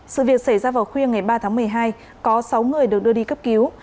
sự việc xảy ra vào khuya ngày ba tháng một mươi hai có sáu người được đưa đi cấp cứu